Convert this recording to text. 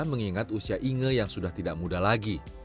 mengingat usia inge yang sudah tidak muda lagi